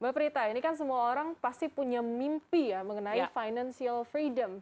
mbak prita ini kan semua orang pasti punya mimpi ya mengenai financial freedom